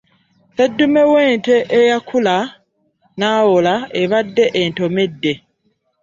Sseddume w'ente eyakula n'ewola ebadde entomedde.